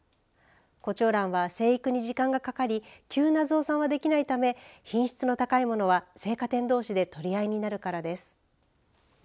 コチョウランは生育に時間がかかり急な増産はできないため品質の高いものは生花店どうしで取り合いになるからです。